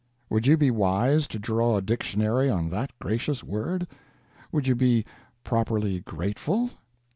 Would you be wise to draw a dictionary on that gracious word? would you be properly grateful?